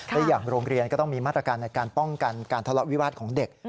และอย่างโรงเรียนก็ต้องมีมาตรการในการป้องกันการทะเลาะวิวาสของเด็ก